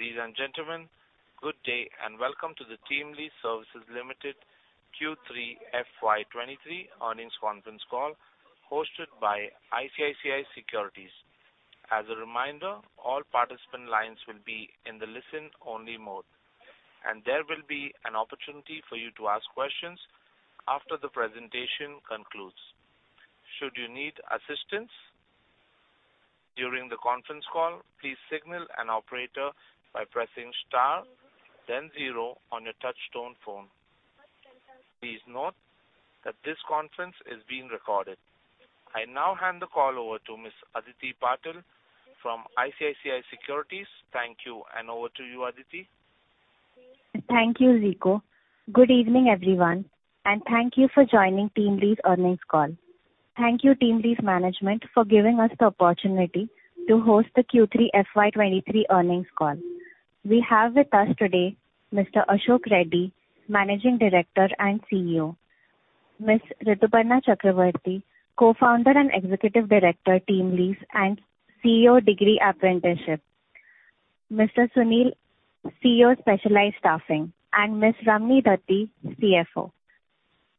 Ladies and gentlemen, good day, welcome to the TeamLease Services Limited Q3 FY23 earnings conference call hosted by ICICI Securities. As a reminder, all participant lines will be in the listen-only mode, and there will be an opportunity for you to ask questions after the presentation concludes. Should you need assistance during the conference call, please signal an operator by pressing star then zero on your touchtone phone. Please note that this conference is being recorded. I now hand the call over to Ms. Aditi Patil from ICICI Securities. Thank you over to you, Aditi. Thank you, Zico. Good evening, everyone, and thank you for joining TeamLease earnings call. Thank you TeamLease management for giving us the opportunity to host the Q3 FY23 earnings call. We have with us today Mr. Ashok Reddy, Managing Director and CEO. Ms. Rituparna Chakraborty, Co-founder and Executive Director, TeamLease and CEO, Degree Apprenticeship. Mr. Sunil, CEO, Specialized Staffing, and Ms. Ramani Dathi, CFO.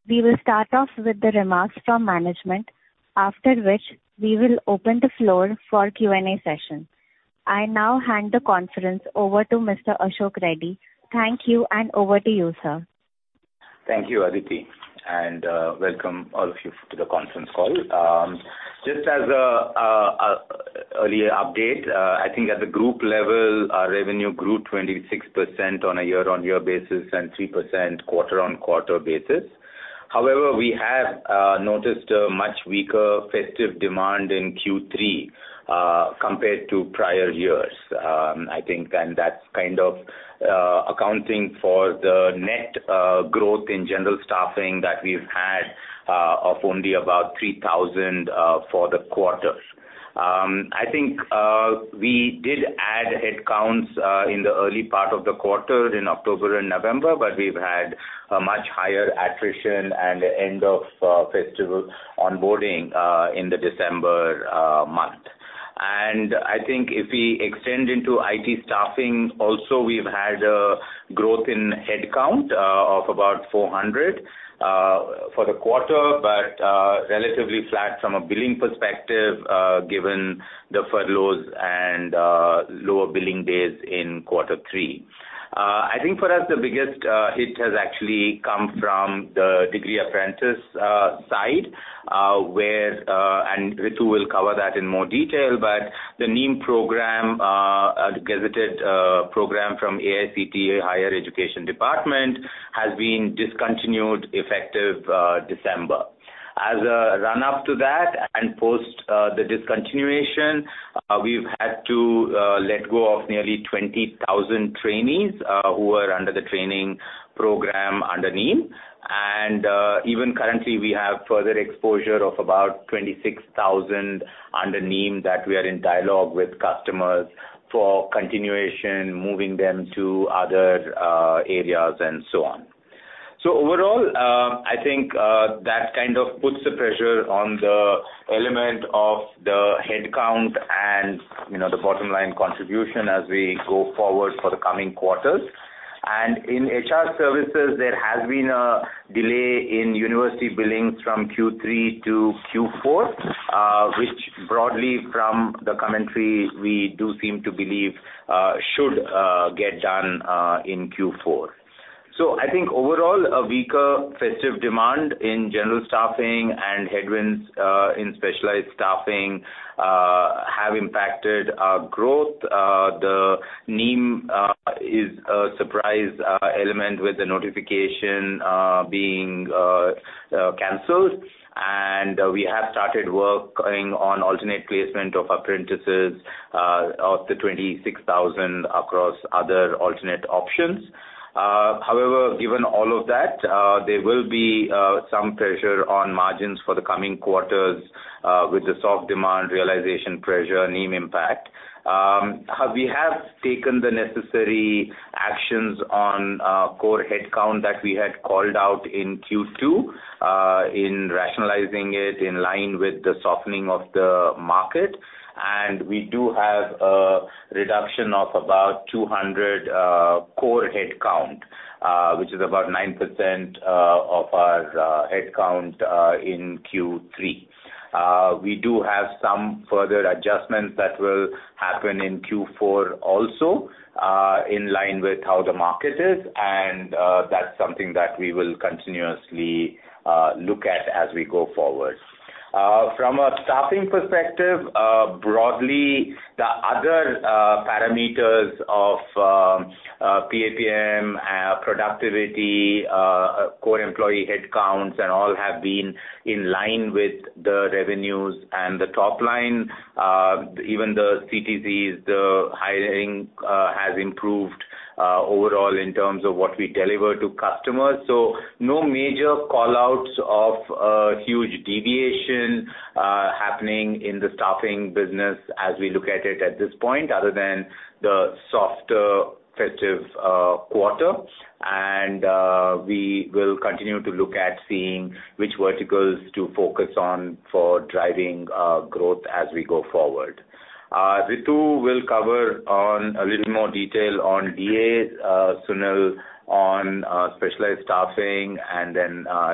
We will start off with the remarks from management, after which we will open the floor for Q&A session. I now hand the conference over to Mr. Ashok Reddy. Thank you and over to you, sir. Thank you, Aditi, welcome all of you to the conference call. Just as a early update, I think at the group level, our revenue grew 26% on a year-on-year basis and 3% quarter-on-quarter basis. However, we have noticed a much weaker festive demand in Q3 compared to prior years. I think, that's kind of accounting for the net growth in general staffing that we've had of only about 3,000 for the quarter. I think, we did add headcounts in the early part of the quarter in October and November, but we've had a much higher attrition at the end of festival onboarding in the December month. I think if we extend into IT staffing also we've had a growth in headcount, of about 400, for the quarter, but relatively flat from a billing perspective, given the furloughs and lower billing days in quarter three. I think for us the biggest hit has actually come from the Degree Apprenticeship side, where and Ritu will cover that in more detail, but the NEEM program, a gazetted program from AICTE Higher Education Department, has been discontinued effective December. As a run-up to that and post the discontinuation, we've had to let go of nearly 20,000 trainees, who were under the training program under NEEM. Even currently, we have further exposure of about 26,000 under NEEM that we are in dialogue with customers for continuation, moving them to other areas and so on. Overall, I think that kind of puts the pressure on the element of the headcount and the bottom line contribution as we go forward for the coming quarters. In HR services, there has been a delay in university billings from Q3 to Q4, which broadly from the commentary we do seem to believe should get done in Q4. I think overall, a weaker festive demand in general staffing and headwinds in specialized staffing have impacted our growth. The NEEM is a surprise element with the notification being canceled. We have started working on alternate placement of apprentices, of the 26,000 across other alternate options. However, given all of that, there will be some pressure on margins for the coming quarters, with the soft demand realization pressure NEEM impact. We have taken the necessary actions on core headcount that we had called out in Q2, in rationalizing it in line with the softening of the market. We do have a reduction of about 200 core headcount, which is about 9% of our headcount in Q3. We do have some further adjustments that will happen in Q4 also, in line with how the market is, and that's something that we will continuously look at as we go forward. From a staffing perspective, broadly, the other parameters of PAPM, productivity, core employee headcounts and all have been in line with the revenues and the top line. Even the CTCs, the hiring, has improved overall in terms of what we deliver to customers. No major call-outs of huge deviation happening in the staffing business as we look at it at this point other than the softer festive quarter. We will continue to look at seeing which verticals to focus on for driving growth as we go forward. Ritu will cover on a little more detail on DA, Sunil on specialized staffing,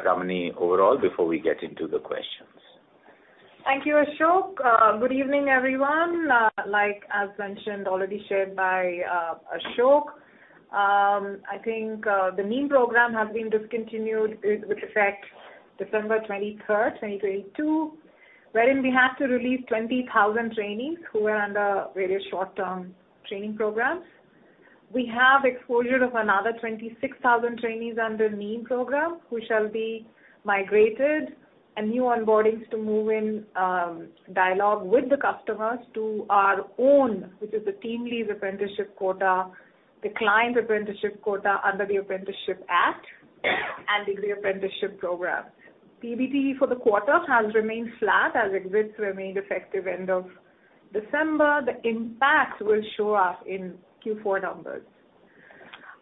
Ramani overall before we get into the questions. Thank you, Ashok. Good evening, everyone. Like as mentioned, already shared by Ashok, the NEEM program has been discontinued with effect December 23, 2022, wherein we have to release 20,000 trainees who were under very short-term training programs. We have exposure of another 26,000 trainees under NEEM program who shall be migrated and new onboardings to move in, dialogue with the customers to our own, which is the TeamLease apprenticeship quota, the client apprenticeship quota under the Apprenticeship Act and Degree Apprenticeship program. PBT for the quarter has remained flat as exits remained effective end of December. The impact will show up in Q4 numbers.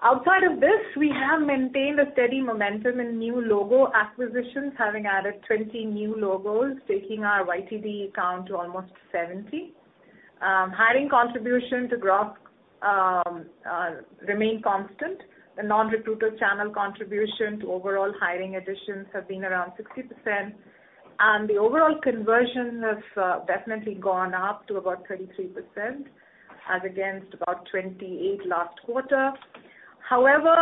Outside of this, we have maintained a steady momentum in new logo acquisitions, having added 20 new logos, taking our YTD count to almost 70. Hiring contribution to gross remain constant. The non-recruiter channel contribution to overall hiring additions have been around 60%. The overall conversion has definitely gone up to about 33% as against about 28 last quarter. However,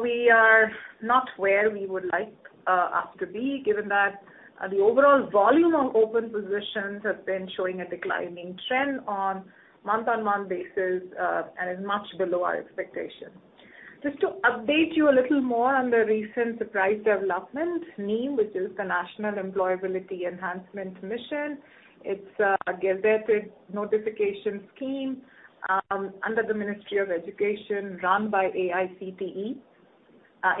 we are not where we would like us to be, given that the overall volume of open positions has been showing a declining trend on month-on-month basis, and is much below our expectation. Just to update you a little more on the recent surprise development, NEEM, which is the National Employability Enhancement Mission. It's a government notification scheme under the Ministry of Education run by AICTE.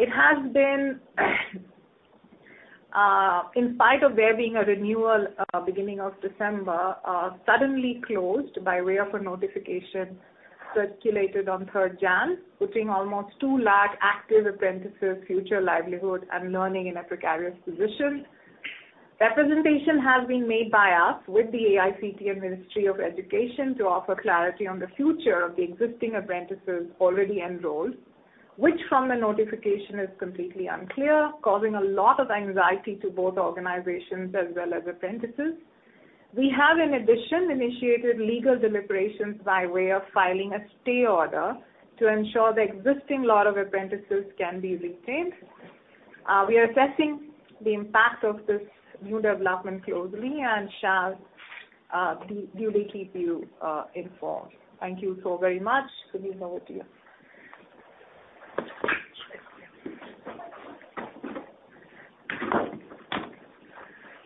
It has been, in spite of there being a renewal, beginning of December, suddenly closed by way of a notification circulated on 3rd January, putting almost 2 lakh active apprentices' future livelihood and learning in a precarious position. Representation has been made by us with the AICTE and Ministry of Education to offer clarity on the future of the existing apprentices already enrolled, which from the notification is completely unclear, causing a lot of anxiety to both organizations as well as apprentices. We have, in addition, initiated legal deliberations by way of filing a stay order to ensure the existing lot of apprentices can be retained. We are assessing the impact of this new development closely and shall duly keep you informed. Thank you so very much. Sunil, over to you.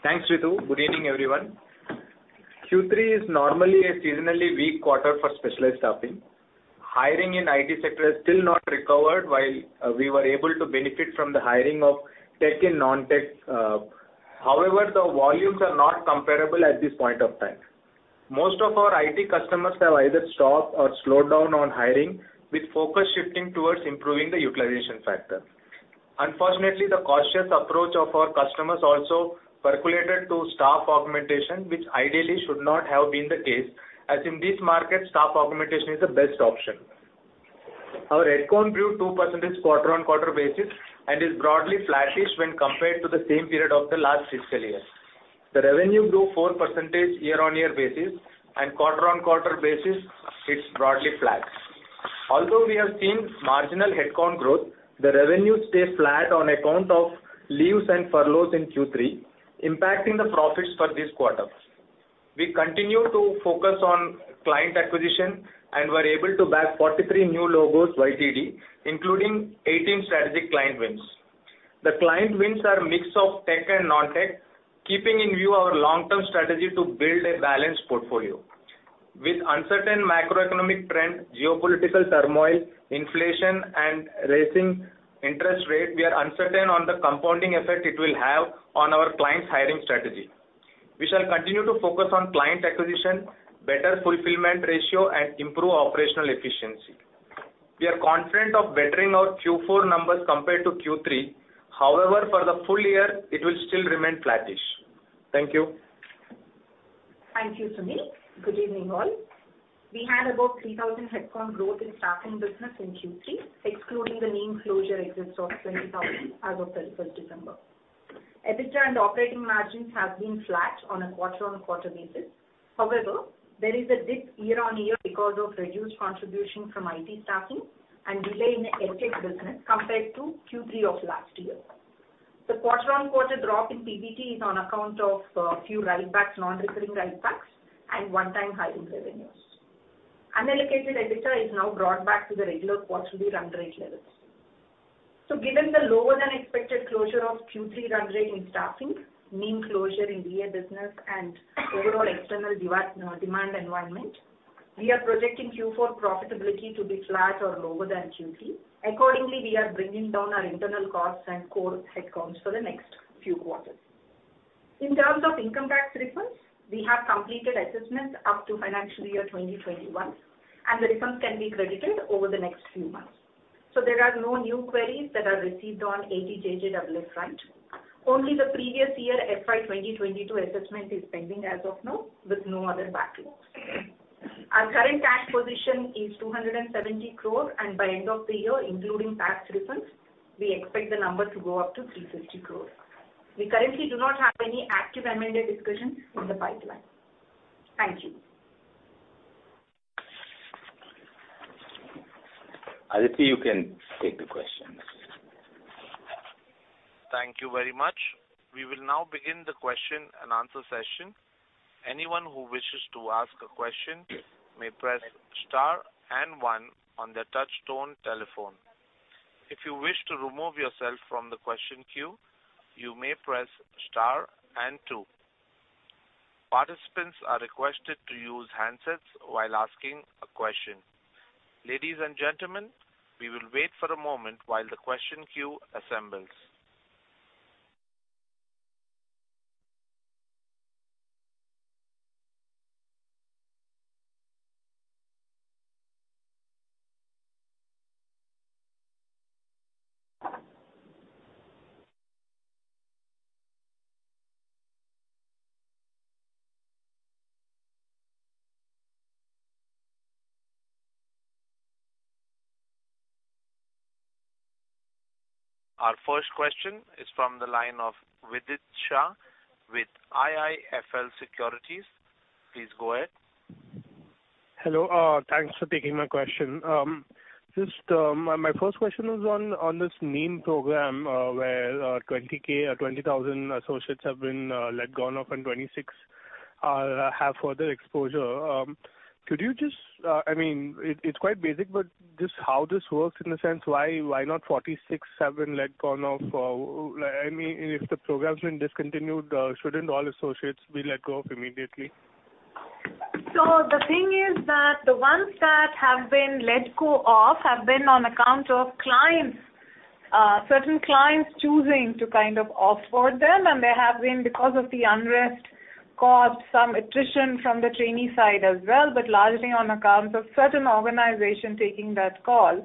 Thanks, Ritu. Good evening, everyone. Q3 is normally a seasonally weak quarter for specialized staffing. Hiring in I.T. sector has still not recovered while we were able to benefit from the hiring of tech and non-tech. However, the volumes are not comparable at this point of time. Most of our I.T. customers have either stopped or slowed down on hiring, with focus shifting towards improving the utilization factor. Unfortunately, the cautious approach of our customers also percolated to staff augmentation, which ideally should not have been the case, as in this market, staff augmentation is the best option. Our headcount grew 2% quarter-on-quarter basis and is broadly flattish when compared to the same period of the last fiscal year. The revenue grew 4% year-on-year basis and quarter-on-quarter basis, it's broadly flat. Although we have seen marginal headcount growth, the revenue stayed flat on account of leaves and furloughs in Q3, impacting the profits for this quarter. We continue to focus on client acquisition and were able to bag 43 new logos YTD, including 18 strategic client wins. The client wins are a mix of tech and non-tech, keeping in view our long-term strategy to build a balanced portfolio. With uncertain macroeconomic trends, geopolitical turmoil, inflation and rising interest rate, we are uncertain on the compounding effect it will have on our clients' hiring strategy. We shall continue to focus on client acquisition, better fulfillment ratio and improve operational efficiency. We are confident of bettering our Q4 numbers compared to Q3. For the full year, it will still remain flattish. Thank you. Thank you, Sunil. Good evening, all. We had about 3,000 headcount growth in staffing business in Q3, excluding the NEEM closure exits of 20,000 as of 31st December. EBITDA and operating margins have been flat on a quarter-on-quarter basis. However, there is a dip year-on-year because of reduced contribution from IT staffing and delay in the EdTech business compared to Q3 of last year. The quarter-on-quarter drop in PBT is on account of few write-backs, non-recurring write-backs and one-time hiring revenues. Unallocated EBITDA is now brought back to the regular quarterly run rate levels. Given the lower than expected closure of Q3 run rate in staffing, NEEM closure in DA business and overall external demand environment, we are projecting Q4 profitability to be flat or lower than Q3. Accordingly, we are bringing down our internal costs and core headcounts for the next few quarters. In terms of income tax refunds, we have completed assessments up to financial year 2021, and the refunds can be credited over the next few months. There are no new queries that are received on NAPS front. Only the previous year, FY 2022 assessment is pending as of now with no other backlogs. Our current cash position is 270 crore and by end of the year, including tax refunds, we expect the number to go up to 350 crore. We currently do not have any active M&A discussions in the pipeline. Thank you. Aditi, you can take the questions. Thank you very much. We will now begin the question and answer session. Anyone who wishes to ask a question may press star and one on their touchtone telephone. If you wish to remove yourself from the question queue, you may press star and two. Participants are requested to use handsets while asking a question. Ladies and gentlemen, we will wait for a moment while the question queue assembles. Our first question is from the line of Vidit Shah with IIFL Securities. Please go ahead. Hello. Thanks for taking my question. My first question was on this NEEM program, where 20,000 associates have been let gone off and 26 have further exposure. Could you just, I mean, it's quite basic, but just how this works in a sense, why not 46 have been let gone off? I mean, if the program's been discontinued, shouldn't all associates be let go of immediately? The thing is that the ones that have been let go off have been on account of clients, certain clients choosing to kind of off-board them. There have been because of the unrest, caused some attrition from the trainee side as well, but largely on account of certain organization taking that call.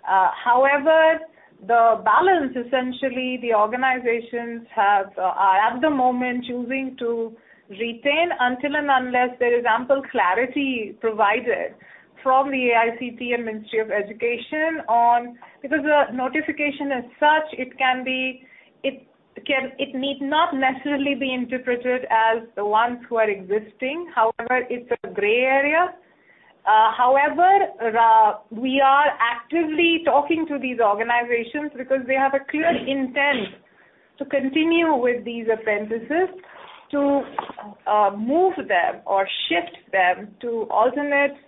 However, the balance, essentially the organizations have, at the moment, choosing to retain until and unless there is ample clarity provided from the AICTE and Ministry of Education on. The notification as such, it can be, it need not necessarily be interpreted as the ones who are existing. However, it's a gray area. However, we are actively talking to these organizations because they have a clear intent to continue with these apprentices to move them or shift them to alternates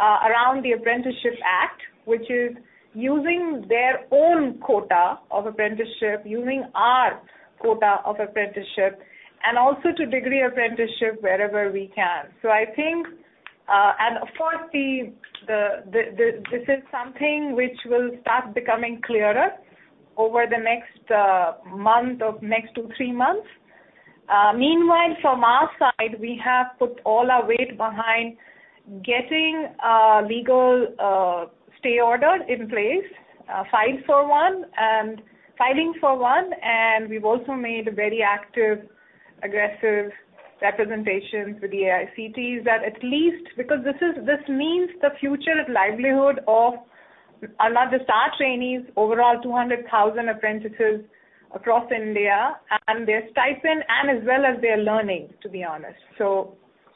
around the Apprenticeship Act, which is using their own quota of apprenticeship, using our quota of apprenticeship and also to Degree Apprenticeship wherever we can. I think, and of course the, the, this is something which will start becoming clearer over the next month or next two, three months. Meanwhile from our side, we have put all our weight behind getting a legal stay order in place, file for one and filing for one. We've also made a very active, aggressive representation to the AICTE that at least because this means the future livelihood of not just our trainees, overall 200,000 apprentices across India and their stipend and as well as their learning, to be honest.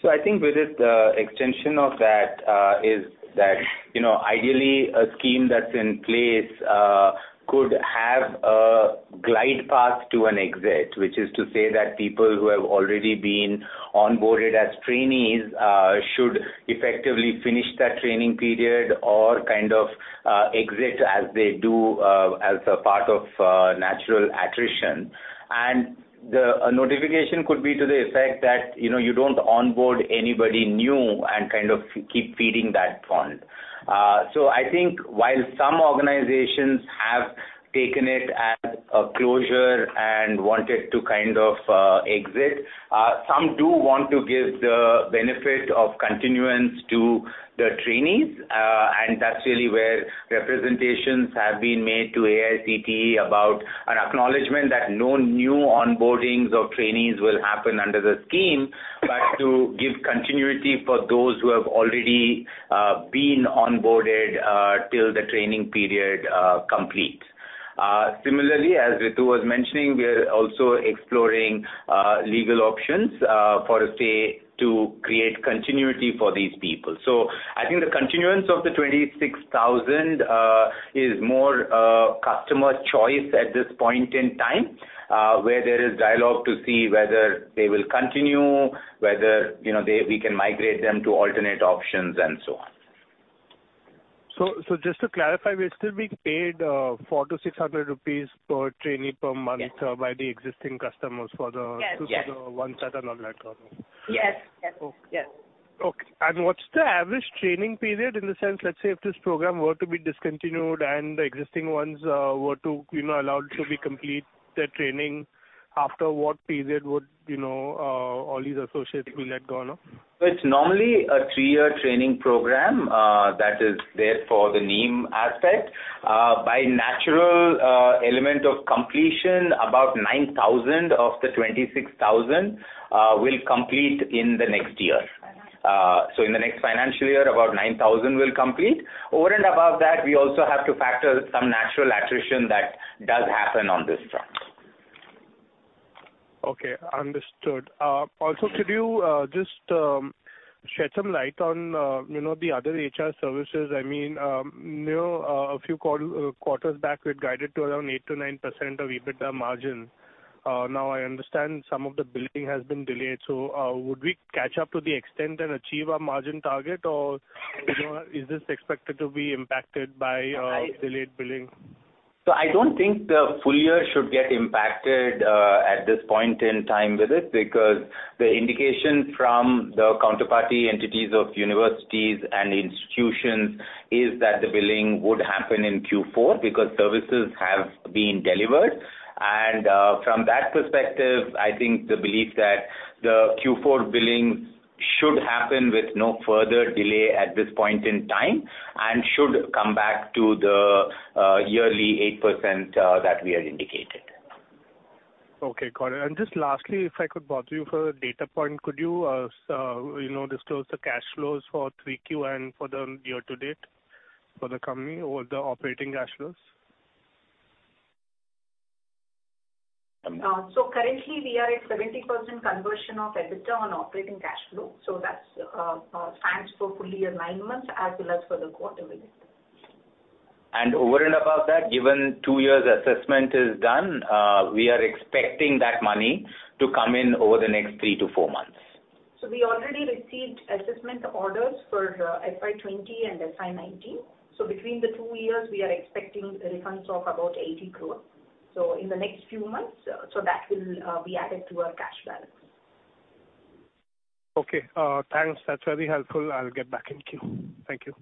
I think with this, the extension of that, is that ideally a scheme that's in place, could have a glide path to an exit, which is to say that people who have already been onboarded as trainees, should effectively finish that training period or kind of, exit as they do, as a part of, natural attrition. The notification could be to the effect that you don't onboard anybody new and kind of keep feeding that fund. I think while some organizations have taken it as a closure and wanted to kind of, exit, some do want to give the benefit of continuance to the trainees. That's really where representations have been made to AICTE about an acknowledgement that no new onboardings of trainees will happen under the scheme. To give continuity for those who have already been onboarded till the training period complete. Similarly, as Ritu was mentioning, we are also exploring legal options for a say to create continuity for these people. I think the continuance of the 26,000 is more customer choice at this point in time, where there is dialogue to see whether they will continue, whether we can migrate them to alternate options and so on. Just to clarify, we are still being paid 400-600 rupees per trainee per month. Yes. by the existing customers for the- Yes. Yes. ones that are not let go. Yes. Yes. Yes. Okay. What's the average training period? In the sense, let's say, if this program were to be discontinued and the existing ones, were to allowed to be complete their training, after what period would all these associates will let go, no? It's normally a three-year training program, that is there for the NEEM aspect. By natural, element of completion, about 9,000 of the 26,000, will complete in the next year. In the next financial year, about 9,000 will complete. Over and above that, we also have to factor some natural attrition that does happen on this front. Okay, understood. Also could you just shed some light on the other HR services? I mean a few quarters back, we had guided to around 8%-9% of EBITDA margin. Now I understand some of the billing has been delayed, would we catch up to the extent and achieve our margin target? You know, is this expected to be impacted by delayed billing? I don't think the full year should get impacted at this point in time with it, because the indication from the counterparty entities of universities and institutions is that the billing would happen in Q4 because services have been delivered. From that perspective, I think the belief that the Q4 billing should happen with no further delay at this point in time and should come back to the yearly 8% that we had indicated. Okay, got it. Just lastly, if I could bother you for a data point. Could you, so disclose the cash flows for 3Q and for the year to date for the company or the operating cash flows? currently we are at 70% conversion of EBITDA on operating cash flow. That's stands for full year nine months as well as for the quarter result. Over and above that, given two years assessment is done, we are expecting that money to come in over the next three to four months. We already received assessment orders for FY20 and FY19. Between the two years, we are expecting refunds of about 80 crore. In the next few months, that will be added to our cash balance. Okay, thanks. That's very helpful. I'll get back in queue. Thank you.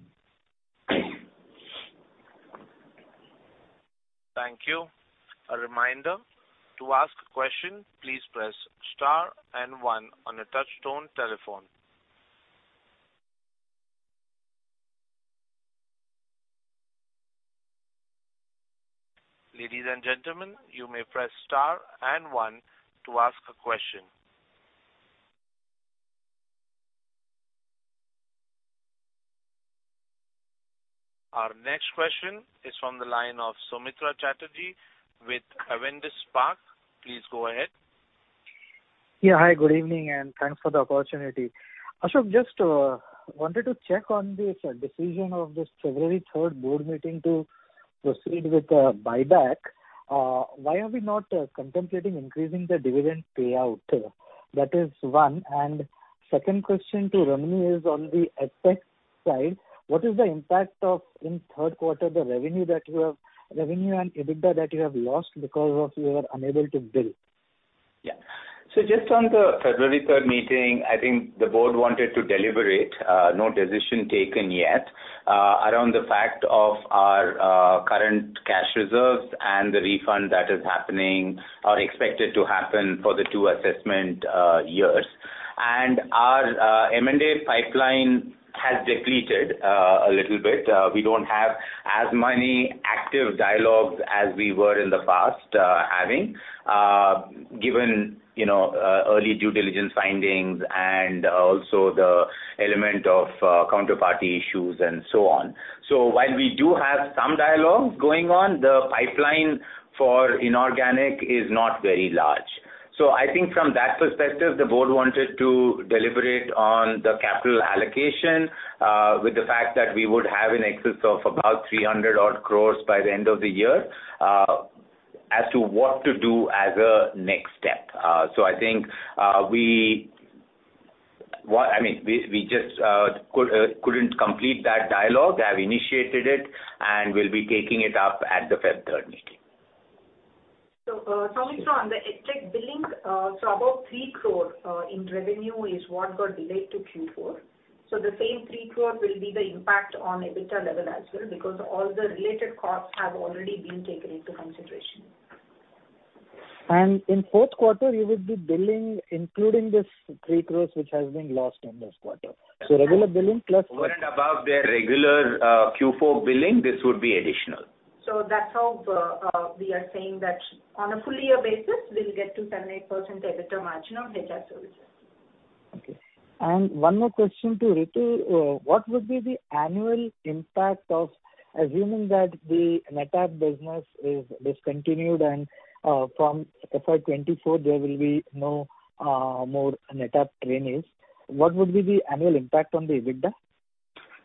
Thank you. A reminder, to ask a question, please press star and one on your touchtone telephone. Ladies and gentlemen, you may press star and one to ask a question. Our next question is from the line of Soumitra Chatterjee with Avendus Spark. Please go ahead. Yeah. Hi, good evening, and thanks for the opportunity. Ashok, just wanted to check on this decision of this February third board meeting to proceed with the buyback. Why are we not contemplating increasing the dividend payout? That is one. Second question to Ramani is on the EdTech side. What is the impact of in third quarter, revenue and EBITDA that you have lost because of you were unable to bill? Just on the February third meeting, I think the board wanted to deliberate, no decision taken yet, around the fact of our current cash reserves and the refund that is happening or expected to happen for the two assessment years. Our M&A pipeline has depleted a little bit. We don't have as many active dialogues as we were in the past, having given early due diligence findings and also the element of counterparty issues and so on. While we do have some dialogue going on, the pipeline for inorganic is not very large. I think from that perspective, the board wanted to deliberate on the capital allocation, with the fact that we would have in excess of about 300 odd crores by the end of the year, as to what to do as a next step. I think, I mean, we just couldn't complete that dialogue. They have initiated it and will be taking it up at the February 3rd meeting. Soumitra, on the EdTech billing, about 3 crore in revenue is what got delayed to Q4. The same 3 crore will be the impact on EBITDA level as well because all the related costs have already been taken into consideration. In fourth quarter you will be billing including this 3 crores which has been lost in this quarter. regular billing plus. Over and above their regular Q4 billing, this would be additional. That's how we are saying that on a full year basis we'll get to 10%-8% EBITDA margin on HR services. Okay. One more question to Ritu. What would be the annual impact of assuming that the NetApp business is discontinued and from FY24 there will be no more NetApp trainees. What would be the annual impact on the EBITDA?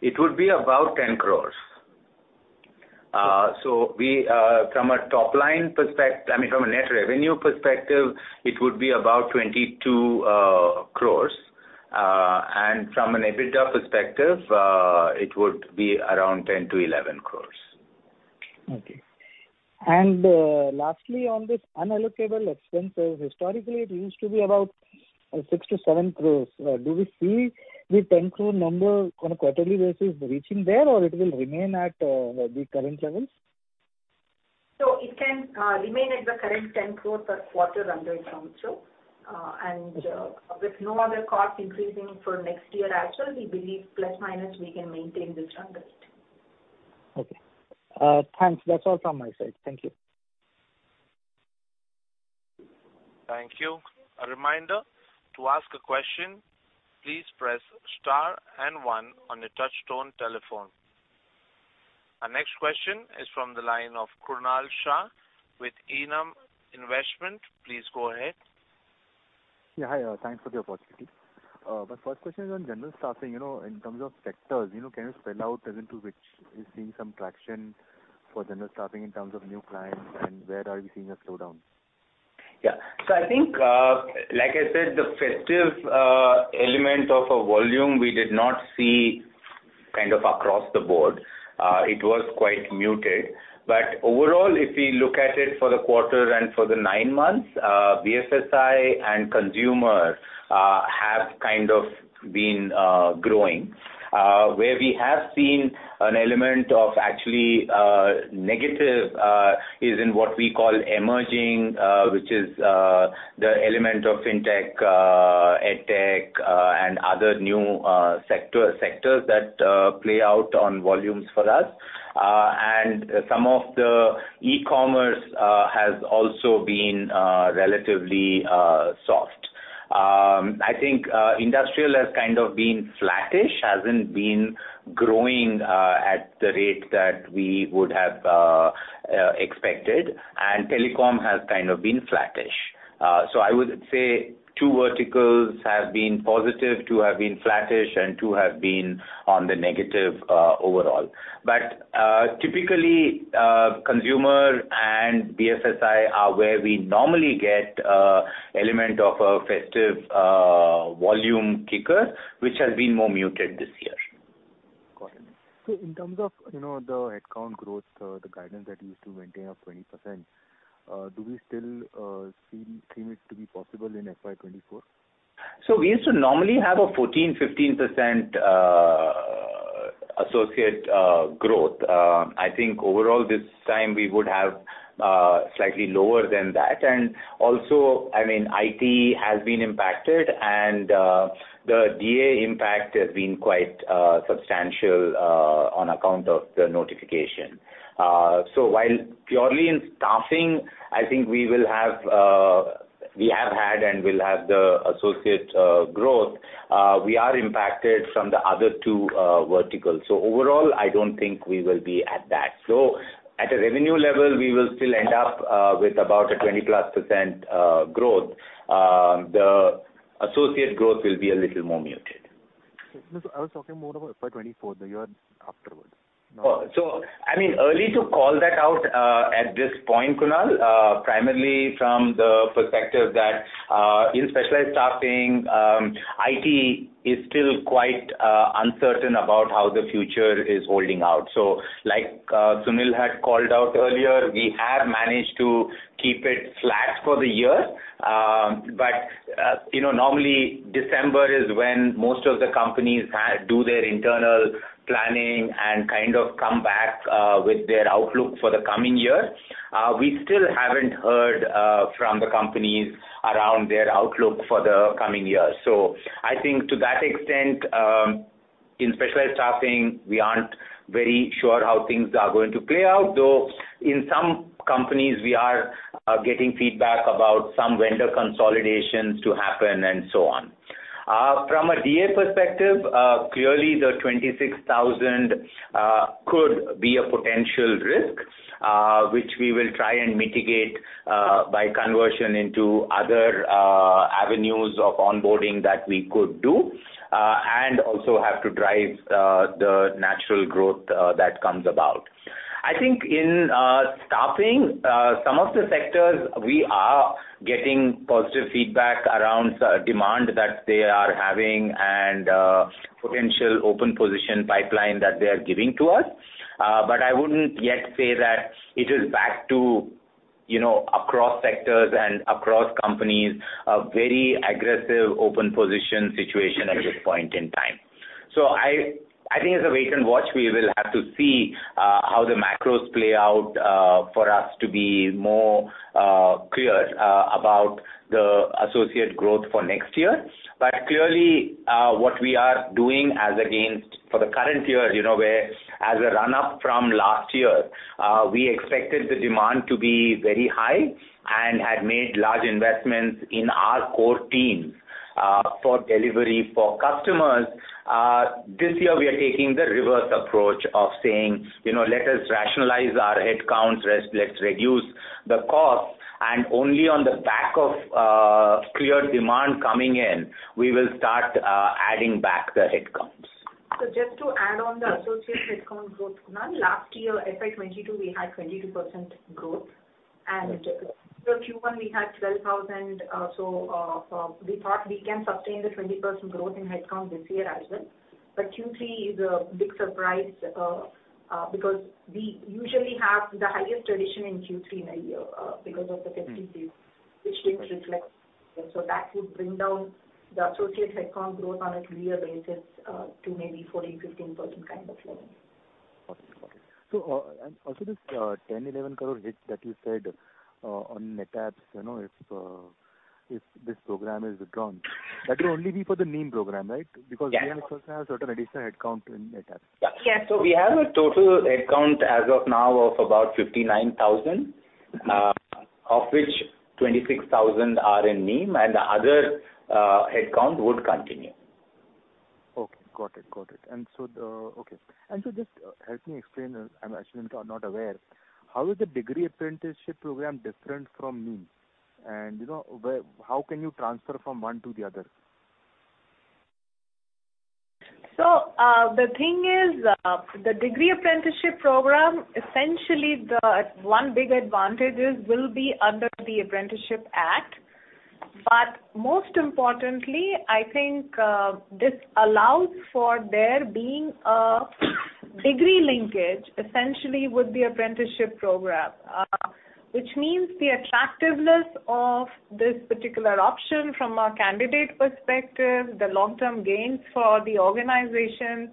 It would be about 10 crores. we, I mean, from a net revenue perspective, it would be about 22 crores. from an EBITDA perspective, it would be around 10-11 crores. Okay. Lastly, on this unallocable expenses, historically, it used to be about 6 crores-7 crores. Do we see the 10 crore number on a quarterly basis reaching there, or it will remain at the current levels? It can remain at the current 10 crore per quarter under it, Ramji. With no other costs increasing for next year actually, we believe plus minus we can maintain this trend. Okay. Thanks. That's all from my side. Thank you. Thank you. A reminder, to ask a question, please press star and one on your touchtone telephone. Our next question is from the line of Kunal Shah with Edelweiss Securities. Please go ahead. Yeah, hi. Thanks for the opportunity. My first question is on general staffing. You know, in terms of sectors can you spell out as into which is seeing some traction for general staffing in terms of new clients and where are we seeing a slowdown? Yeah. I think, like I said, the festive element of a volume we did not see kind of across the board. It was quite muted. Overall, if we look at it for the quarter and for the nine months, BFSI and consumer have kind of been growing. Where we have seen an element of actually negative is in what we call emerging, which is the element of fintech, EdTech, and other new sectors that play out on volumes for us. And some of the e-commerce has also been relatively soft. I think, industrial has kind of been flattish, hasn't been growing at the rate that we would have expected, and telecom has kind of been flattish. I would say 2 verticals have been positive, 2 have been flattish, and 2 have been on the negative, overall. Typically, consumer and BFSI are where we normally get, element of a festive, volume kicker, which has been more muted this year. Got it. in terms of the headcount growth, the guidance that you used to maintain of 20%, do we still see it to be possible in FY24? We used to normally have a 14%, 15% associate growth. I think overall this time we would have, slightly lower than that. Also, I mean, IT has been impacted and, the DA impact has been quite substantial on account of the notification. While purely in staffing, I think we will have, we have had and will have the associate growth. We are impacted from the other two verticals. Overall, I don't think we will be at that. At a revenue level, we will still end up, with about a 20%-plus growth. The associate growth will be a little more muted. I was talking more about FY24, the year afterwards. I mean, early to call that out, at this point, Kunal, primarily from the perspective that, in Specialized Staffing, IT is still quite uncertain about how the future is holding out. Like, Sunil had called out earlier, we have managed to keep it flat for the year. You know, normally December is when most of the companies do their internal planning and kind of come back with their outlook for the coming year. We still haven't heard from the companies around their outlook for the coming year. I think to that extent, in Specialized Staffing, we aren't very sure how things are going to play out, though in some companies we are getting feedback about some vendor consolidations to happen and so on. From a DA perspective, clearly the 26,000 could be a potential risk, which we will try and mitigate by conversion into other avenues of onboarding that we could do, and also have to drive the natural growth that comes about. I think in staffing, some of the sectors we are getting positive feedback around demand that they are having and potential open position pipeline that they are giving to us. But I wouldn't yet say that it is back to across sectors and across companies, a very aggressive open position situation at this point in time. I think it's a wait and watch. We will have to see how the macros play out for us to be more clear about the associate growth for next year. Clearly, what we are doing as against for the current year where as a run-up from last year, we expected the demand to be very high and had made large investments in our core teams for delivery for customers. This year we are taking the reverse approach of saying "Let us rationalize our headcounts. Let's reduce the costs, and only on the back of clear demand coming in, we will start adding back the headcounts. Just to add on the associate headcount growth, Kunal, last year, FY22, we had 22% growth. Q1 we had 12,000, so, we thought we can sustain the 20% growth in headcount this year as well. Q3 is a big surprise, because we usually have the highest attrition in Q3 in a year, because of the festive season, which didn't reflect. That would bring down the associate headcount growth on a clear basis, to maybe 14%-15% kind of level. Okay. Got it. And also this, 10-11 crore hit that you said, on NetApp if this program is withdrawn, that will only be for the NEEM program, right? Yeah. NEEM also has certain additional headcount in NetApp. Yeah. Yeah. We have a total headcount as of now of about 59,000, of which 26,000 are in NEEM and the other headcount would continue. Okay. Got it. Got it. Okay. Just help me explain, I'm actually not aware, how is the Degree Apprenticeship program different from NEEM? You know, how can you transfer from one to the other? The thing is, the Degree Apprenticeship program, essentially the one big advantage is will be under the Apprenticeship Act. Most importantly, I think, this allows for there being a degree linkage essentially with the apprenticeship program. Which means the attractiveness of this particular option from a candidate perspective, the long-term gains for the organization,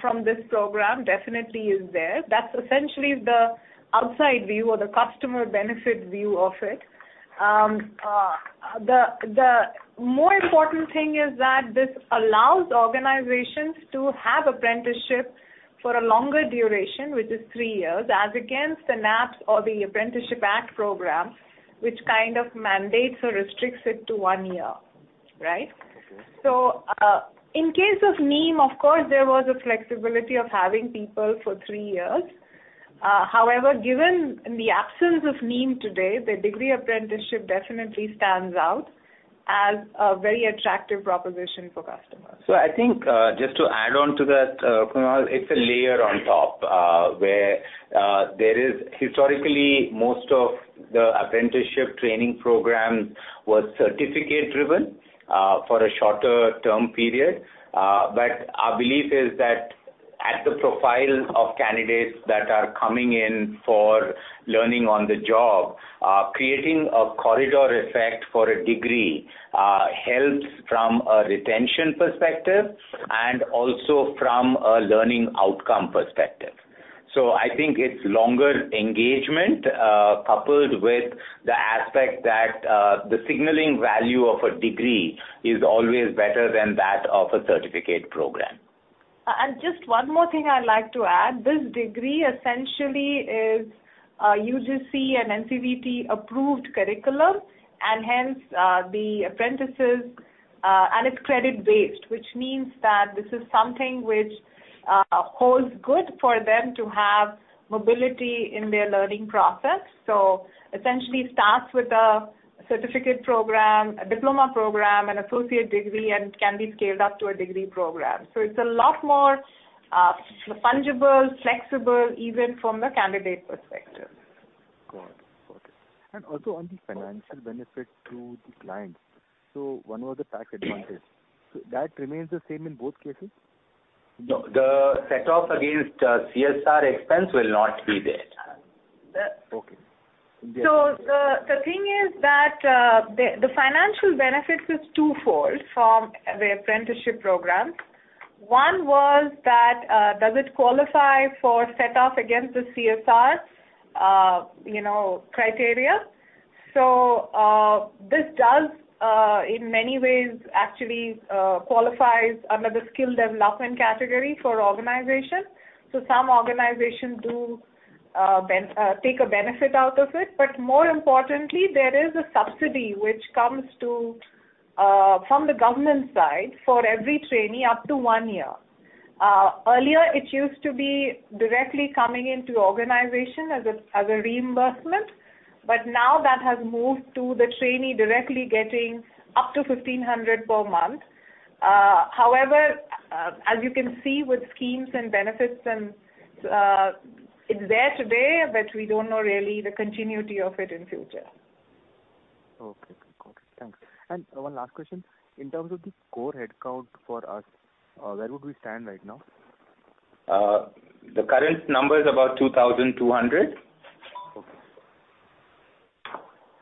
from this program definitely is there. That's essentially the outside view or the customer benefit view of it. The more important thing is that this allows organizations to have apprenticeship for a longer duration, which is 3 years, as against the NAPS or the Apprenticeship Act program, which kind of mandates or restricts it to 1 year. Right? Okay. In case of NEEM, of course, there was a flexibility of having people for three years. However, given the absence of NEEM today, the Degree Apprenticeship definitely stands out as a very attractive proposition for customers. I think, just to add on to that, Kunal, it's a layer on top, where there is historically most of the apprenticeship training program was certificate driven, for a shorter term period. But our belief is that at the profile of candidates that are coming in for learning on the job, creating a corridor effect for a degree, helps from a retention perspective and also from a learning outcome perspective. I think it's longer engagement, coupled with the aspect that the signaling value of a degree is always better than that of a certificate program. Just one more thing I'd like to add. This degree essentially is a UGC and NCVT approved curriculum, hence, the apprentices, and it's credit-based, which means that this is something which holds good for them to have mobility in their learning process. Essentially starts with a certificate program, a diploma program, an associate degree, and can be scaled up to a degree program. It's a lot more fungible, flexible, even from the candidate perspective. Got it. Got it. Also on the financial benefit to the clients. One was the tax advantage. That remains the same in both cases? No. The set off against, CSR expense will not be there. Okay. The thing is that the financial benefits is twofold from the apprenticeship program. One was that does it qualify for set off against the CSR criteria. This does in many ways actually qualifies under the skill development category for organization. Some organization do take a benefit out of it. More importantly, there is a subsidy which comes to from the government side for every trainee up to one year. Earlier it used to be directly coming into organization as a, as a reimbursement, but now that has moved to the trainee directly getting up to 1,500 per month. However, as you can see with schemes and benefits and it's there today, but we don't know really the continuity of it in future. Okay. Got it. Thanks. One last question. In terms of the core headcount for us, where would we stand right now? The current number is about 2,200. Okay.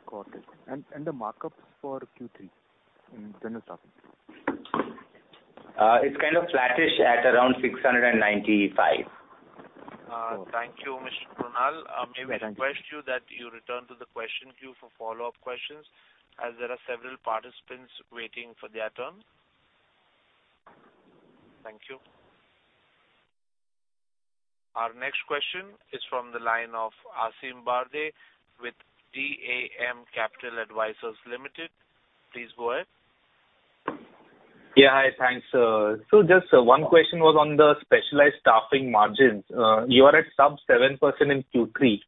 Got it. The markups for Q3 in general staffing? It's kind of flattish at around 695. Okay. thank you, Mr. Kunal. Yeah, thank you. May we request you that you return to the question queue for follow-up questions, as there are several participants waiting for their turn. Thank you. Our next question is from the line of Aasim Bharde with DAM Capital Advisors Limited. Please go ahead. Yeah. Hi. Thanks. Just one question was on the Specialized Staffing margins. You are at sub 7% in Q3.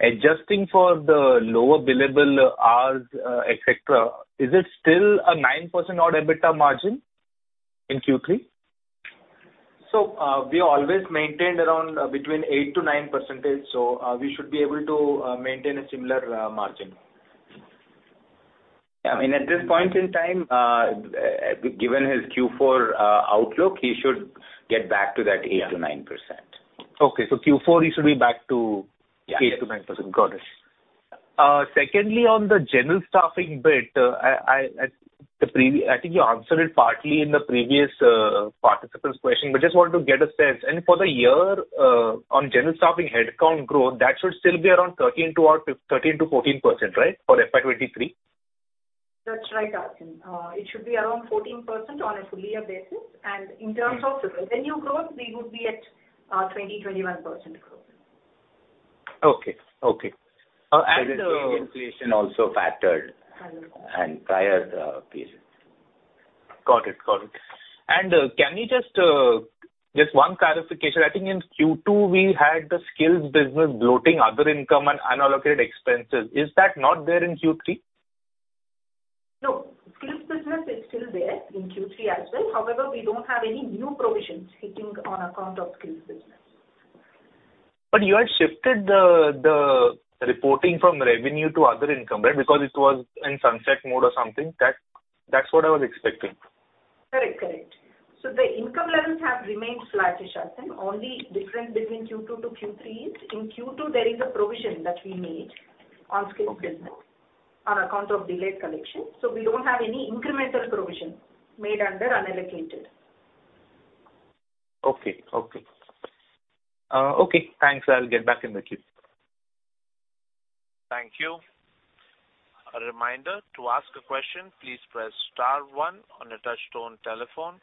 Adjusting for the lower billable hours, et cetera, is it still a 9% odd EBITDA margin in Q3? We always maintained around between 8%-9%. We should be able to maintain a similar margin. I mean, at this point in time, given his Q4 outlook, he should get back to that 8%-9%. Yeah. Okay. Q4 he should be back to. Yeah. 8%-9%. Got it. Secondly, on the general staffing bit, I think you answered it partly in the previous participant's question, but just want to get a sense. For the year, on general staffing headcount growth, that should still be around 13%-14%, right, for FY23? That's right, Aasim. It should be around 14% on a full year basis. In terms of revenue growth, we would be at, 20%-21% growth. Okay. Okay. There's inflation also factored. Hello. Prior periods. Got it. Got it. Just one clarification. I think in Q2, we had the skills business bloating other income and unallocated expenses. Is that not there in Q3? No. Skills business is still there in Q3 as well. However, we don't have any new provisions hitting on account of skills business. You had shifted the reporting from revenue to other income, right? Because it was in sunset mode or something. That, that's what I was expecting. Correct. Correct. The income levels have remained flattish, Aasim. Only difference between Q2 to Q3 is, in Q2 there is a provision that we made on skills business- Okay. on account of delayed collection. We don't have any incremental provision made under unallocated. Okay. Okay. Okay, thanks. I'll get back in the queue. Thank you. A reminder, to ask a question, please press star one on your touchtone telephone.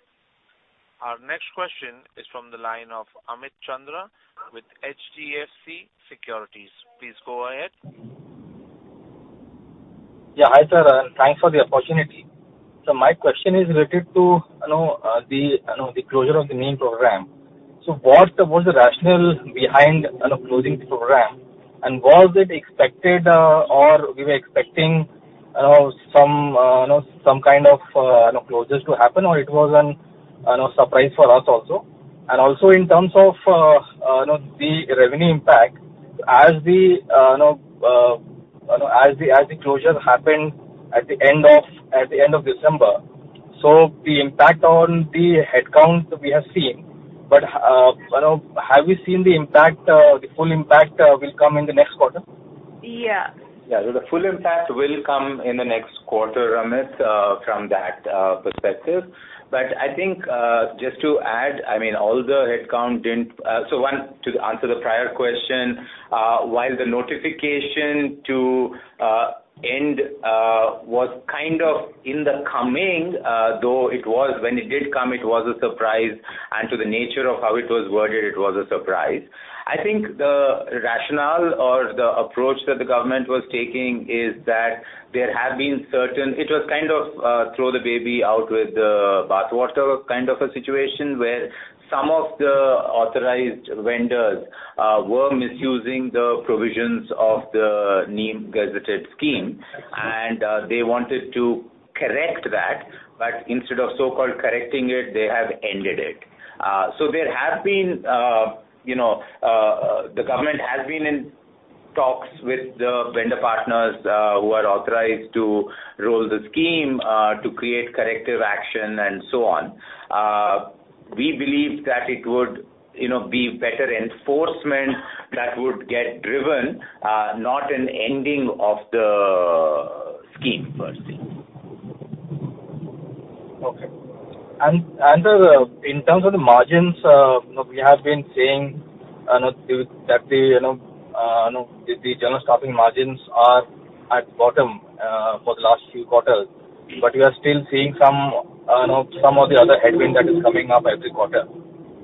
Our next question is from the line of Amit Chandra with HDFC Securities. Please go ahead. Yeah. Hi, sir, and thanks for the opportunity. My question is related to the the closure of the NEEM program. What's the rationale behind closing the program? Was it expected, or we were expecting some some kind of closures to happen, or it was an surprise for us also? In terms of the revenue impact as the as the closure happened at the end of December. The impact on the headcount we have seen, but have we seen the impact, the full impact will come in the next quarter? Yeah. Yeah. The full impact will come in the next quarter, Amit, from that perspective. I think, just to add, I mean, so one, to answer the prior question, while the notification to end was kind of in the coming, When it did come, it was a surprise, and to the nature of how it was worded, it was a surprise. I think the rationale or the approach that the government was taking. It was kind of throw the baby out with the bathwater kind of a situation, where some of the authorized vendors were misusing the provisions of the NEEM gazetted scheme. They wanted to correct that, but instead of so-called correcting it, they have ended it. The government has been in talks with the vendor partners, who are authorized to roll the scheme, to create corrective action and so on. We believe that it would be better enforcement that would get driven, not an ending of the scheme per se. Okay. In terms of the margins we have been seeing the general staffing margins are at bottom for the last few quarters. We are still seeing some some of the other headwind that is coming up every quarter.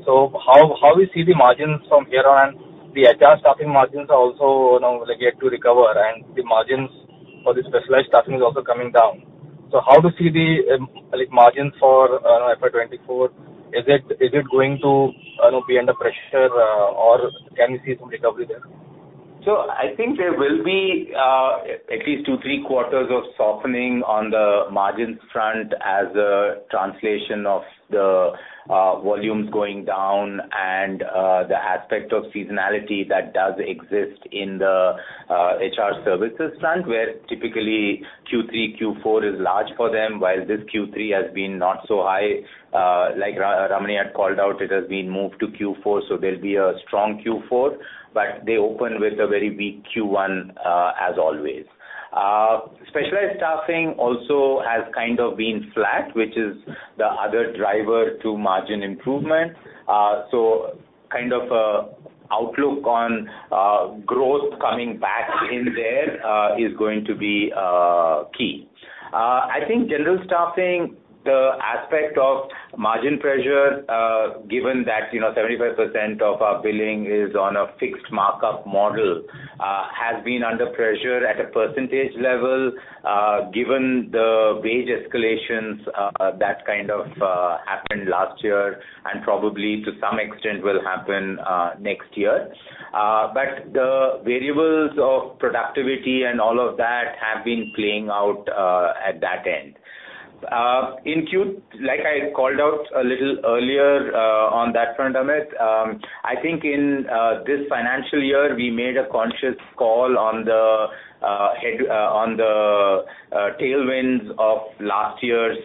How we see the margins from here on? The HR staffing margins are also like, yet to recover, and the margins for the specialized staffing is also coming down. How to see the, like, margin for FY24? Is it, is it going to be under pressure, or can we see some recovery there? I think there will be, at least 2, 3 quarters of softening on the margins front as a translation of the volumes going down and the aspect of seasonality that does exist in the HR services front. Where typically Q3, Q4 is large for them, while this Q3 has been not so high. Like Ramani had called out, it has been moved to Q4, so there'll be a strong Q4. They open with a very weak Q1, as always. Specialized staffing also has kind of been flat, which is the other driver to margin improvement. So kind of outlook on growth coming back in there is going to be key. I think general staffing, the aspect of margin pressure, given that 75% of our billing is on a fixed markup model, has been under pressure at a percentage level, given the wage escalations that kind of happened last year and probably to some extent will happen next year. The variables of productivity and all of that have been playing out at that end. Like I called out a little earlier, on that front, Amit, I think in this financial year, we made a conscious call on the head, on the tailwinds of last year's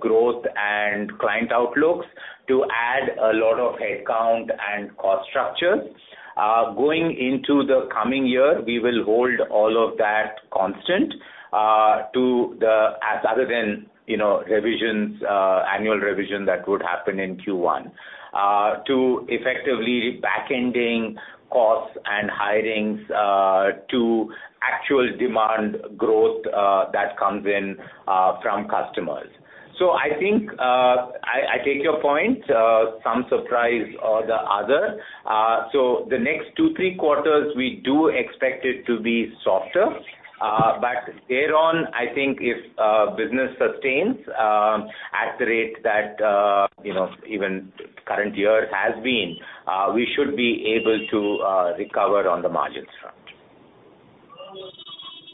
growth and client outlooks to add a lot of headcount and cost structure. Going into the coming year, we will hold all of that constant, as other than revisions, annual revision that would happen in Q1. To effectively back-ending costs and hirings, to actual demand growth, that comes in from customers. I think, I take your point, some surprise or the other. The next two, three quarters, we do expect it to be softer. Thereon, I think if business sustains, at the rate that even current year has been, we should be able to recover on the margins front.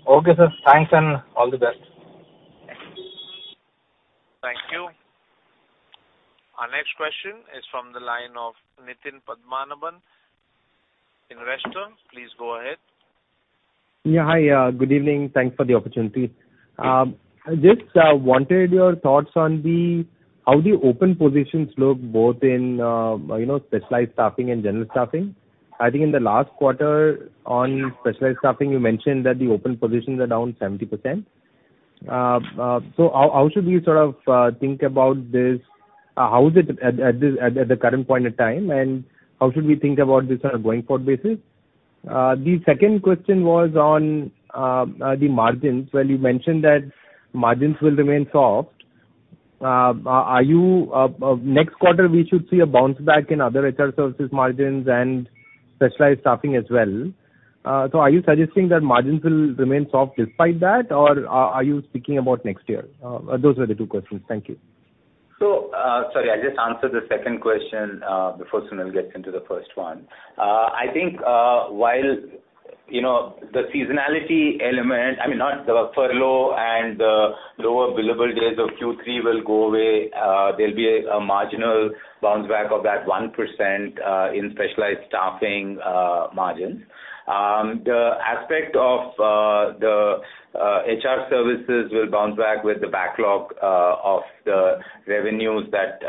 Okay, sir. Thanks and all the best. Thanks. Thank you. Our next question is from the line of Nitin Padmanabhan, Investec. Please go ahead. Yeah. Hi. Good evening. Thanks for the opportunity. Just wanted your thoughts on how the open positions look both in Specialized Staffing and general staffing. I think in the last quarter on Specialized Staffing, you mentioned that the open positions are down 70%. How should we sort of think about this? How is it at the current point in time, and how should we think about this on a going forward basis? The second question was on the margins. Well, you mentioned that margins will remain soft. Next quarter, we should see a bounce back in other HR services margins and Specialized Staffing as well. Are you suggesting that margins will remain soft despite that, or are you speaking about next year? Those are the 2 questions. Thank you. Sorry, I'll just answer the second question before Sunil gets into the first one. I think, while the seasonality element, I mean, not the furlough and the lower billable days of Q3 will go away, there'll be a marginal bounce back of that 1% in specialized staffing margins. The aspect of the HR services will bounce back with the backlog of the revenues that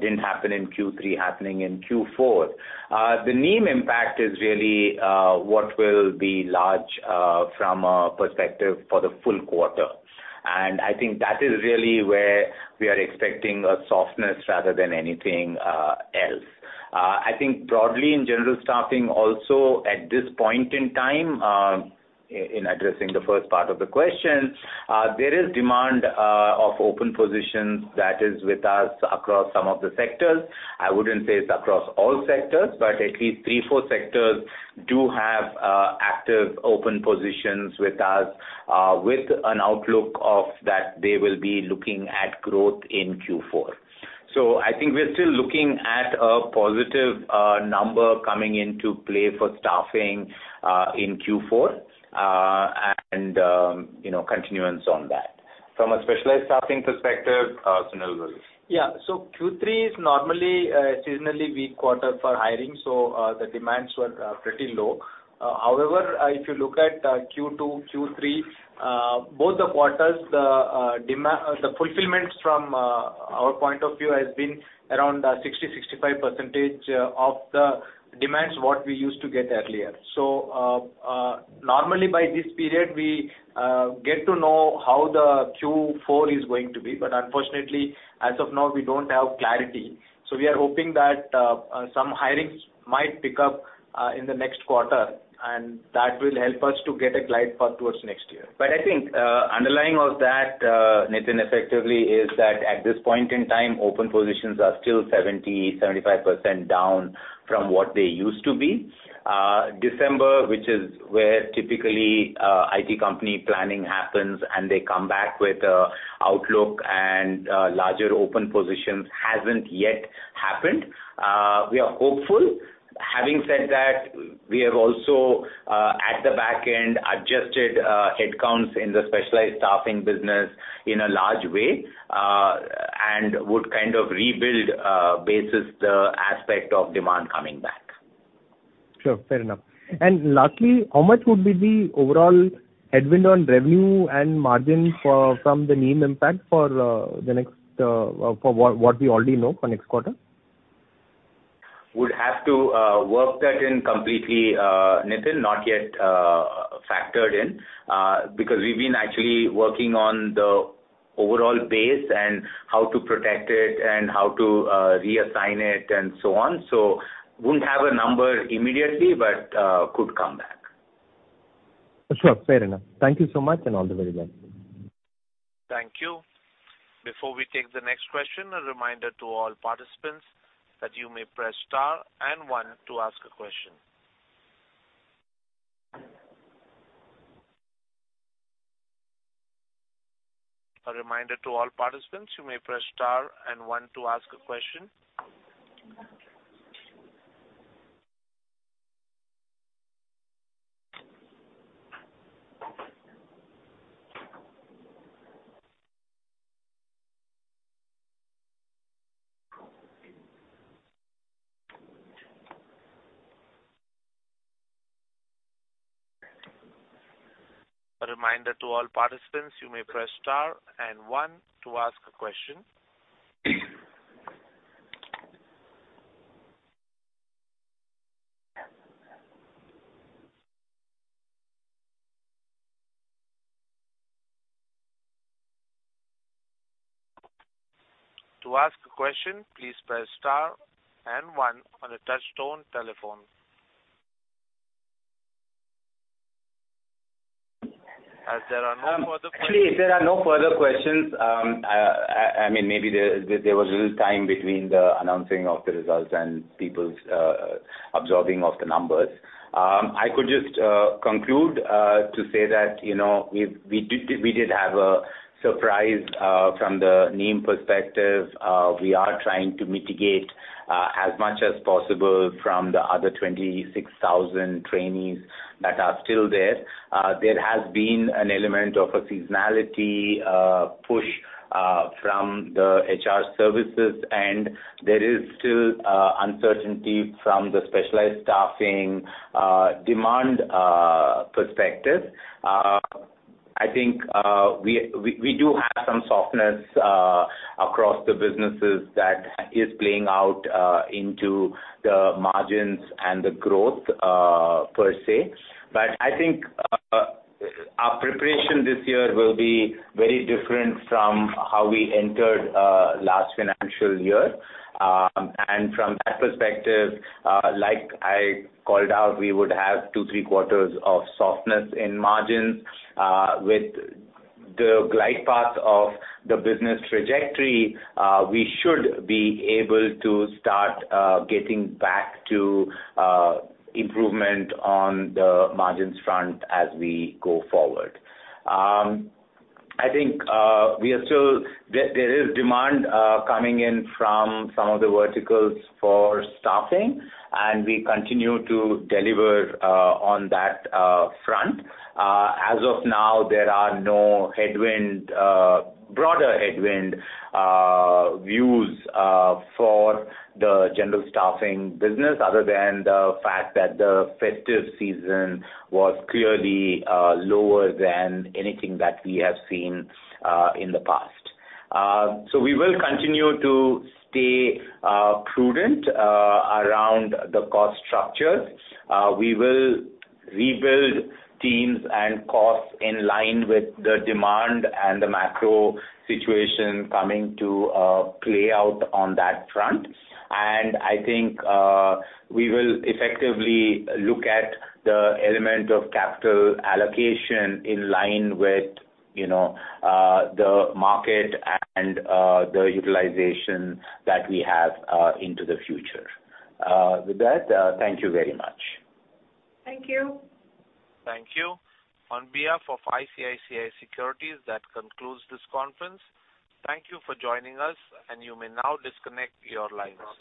didn't happen in Q3 happening in Q4. The NIM impact is really what will be large from a perspective for the full quarter. I think that is really where we are expecting a softness rather than anything else. I think broadly in general staffing also at this point in time, in addressing the first part of the question, there is demand of open positions that is with us across some of the sectors. I wouldn't say it's across all sectors, but at least three, four sectors do have active open positions with us, with an outlook of that they will be looking at growth in Q4. I think we're still looking at a positive number coming into play for staffing in Q4, and continuance on that. From a specialized staffing perspective, Sunil will. Yeah. Q3 is normally a seasonally weak quarter for hiring, so the demands were pretty low. However, if you look at Q2, Q3, both the quarters, the fulfillments from our point of view has been around 60-65% of the demands what we used to get earlier. Normally by this period, we get to know how the Q4 is going to be, but unfortunately, as of now, we don't have clarity. We are hoping that some hirings might pick up in the next quarter, and that will help us to get a glide path towards next year. I think, underlying of that, Nitin, effectively, is that at this point in time, open positions are still 70%-75% down from what they used to be. December, which is where typically, IT company planning happens, and they come back with a outlook and, larger open positions, hasn't yet happened. We are hopeful. Having said that, we have also, at the back end, adjusted, headcounts in the Specialized Staffing business in a large way, and would kind of rebuild, basis the aspect of demand coming back. Sure. Fair enough. Lastly, how much would be the overall headwind on revenue and margin from the NEEM impact for the next for what we already know for next quarter? Would have to work that in completely, Nitin, not yet factored in, because we've been actually working on the overall base and how to protect it and how to reassign it and so on. Wouldn't have a number immediately, but could come back. Sure. Fair enough. Thank you so much, and all the very best. Thank you. Before we take the next question, a reminder to all participants that you may press star and one to ask a question. A reminder to all participants, you may press star and one to ask a question. To ask a question, please press star and one on your touchtone telephone. As there are no further questions. Actually, if there are no further questions, I mean, maybe there was little time between the announcing of the results and people's absorbing of the numbers. I could just conclude to say that we did have a surprise from the NEEM perspective. We are trying to mitigate as much as possible from the other 26,000 trainees that are still there. There has been an element of a seasonality push from the HR services, and there is still uncertainty from the specialized staffing demand perspective. I think we do have some softness across the businesses that is playing out into the margins and the growth per se. I think, our preparation this year will be very different from how we entered last financial year. From that perspective, like I called out, we would have 2, 3 quarters of softness in margins. With the glide path of the business trajectory, we should be able to start getting back to improvement on the margins front as we go forward. I think, we are still. There is demand coming in from some of the verticals for staffing, and we continue to deliver on that front. As of now, there are no headwind, broader headwind views for the general staffing business other than the fact that the festive season was clearly lower than anything that we have seen in the past. We will continue to stay prudent around the cost structures. We will rebuild teams and costs in line with the demand and the macro situation coming to play out on that front. I think, we will effectively look at the element of capital allocation in line with the market and the utilization that we have into the future. With that, thank you very much. Thank you. Thank you. On behalf of ICICI Securities, that concludes this conference. Thank you for joining us. You may now disconnect your lines.